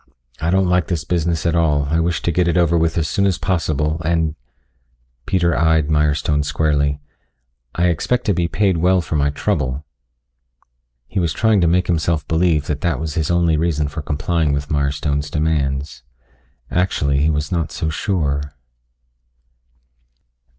I don't like this business at all. I wish to get it over with as soon as possible, and " Peter eyed Mirestone squarely. "I expect to be paid well for my trouble." He was trying to make himself believe that that was his only reason for complying with Mirestone's demands. Actually he was not so sure....